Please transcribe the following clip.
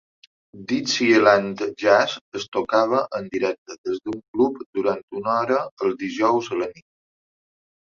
Dixieland Jazz es tocava en directe des d'un club durant una hora els dijous a la nit.